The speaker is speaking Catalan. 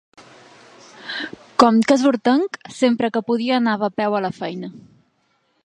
Com que és hortenc sempre que podia anava a peu a la feina.